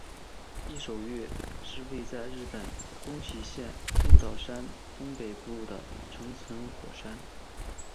夷守岳是位在日本宫崎县雾岛山东北部的成层火山。